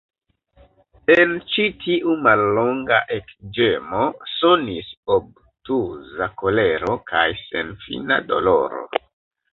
En ĉi tiu mallonga ekĝemo sonis obtuza kolero kaj senfina doloro.